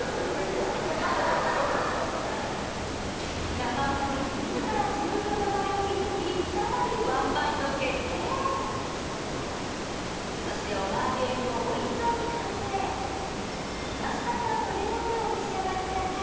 中尾君自ら自分の名前を射ぬき再びワンバイト決定そしてオマール海老もおいしそうに完成澄ましバターとレモンでお召し上がりください